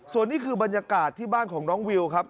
ส่วนนี้คือบรรยากาศที่บ้านของน้องวิวครับ